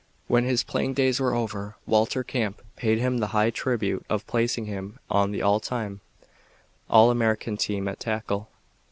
When his playing days were over Walter Camp paid him the high tribute of placing him on the All Time, All American team at tackle.